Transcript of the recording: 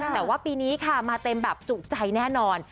แต่ว่าปีนี้ค่ะมาเต็มแบบจุใจแน่นอน